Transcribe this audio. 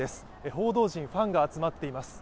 報道陣、ファンが集まっています。